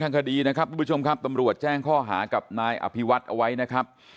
คดีนะครับทุกผู้ชมครับตำรวจแจ้งข้อหากับนายอภิวัฒน์เอาไว้นะครับ